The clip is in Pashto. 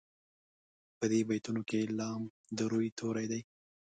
په دې بیتونو کې لام د روي توری دی.